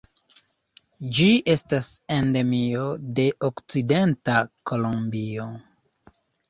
Ĝi estas endemio de okcidenta Kolombio.